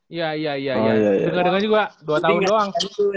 iya iya iya denger dengerin juga dua tahun doang